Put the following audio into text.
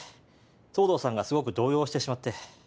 藤堂さんがすごく動揺してしまって。